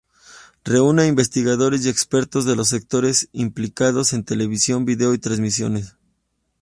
Reúne a investigadores y expertos de los sectores implicados en televisión, vídeo y transmisiones.